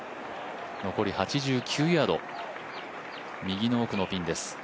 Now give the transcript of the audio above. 残り８９ヤード右の奥のピンです。